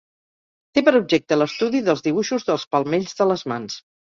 Té per objecte l'estudi dels dibuixos dels palmells de les mans.